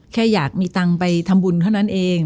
แค่อยากมีตังค์ไปทำบุญเท่านั้นเอง